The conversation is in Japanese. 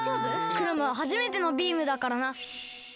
クラムははじめてのビームだからな。